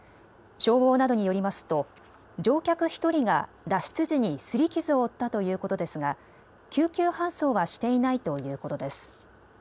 消防などによりますと乗客１人が脱出時にすり傷を負ったということですが救急搬送はしていないということです。